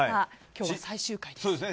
今日は最終回ですね。